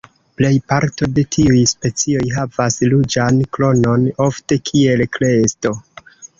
Plej parto de tiuj specioj havas ruĝan kronon, ofte kiel kresto.